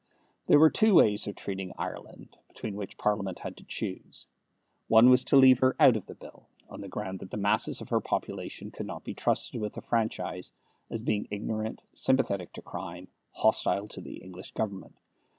There were two ways of treating Ireland between which Parliament had to choose. One was to leave her out of the Bill, on the ground that the masses of her population could not be trusted with the franchise, as being ignorant, sympathetic to crime, hostile to the English Government.